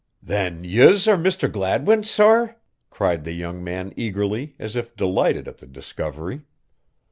"Then yez are Mr. Gladwin, sorr!" cried the young man eagerly, as if delighted at the discovery.